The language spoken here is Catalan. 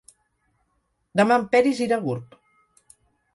Demà en Peris irà a Gurb.